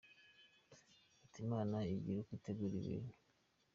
Ati” Imana igira uko itegura ibintu.